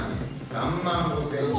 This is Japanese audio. ３万５，０００円。